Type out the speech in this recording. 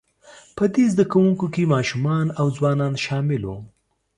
په دې زده کوونکو کې ماشومان او ځوانان شامل وو،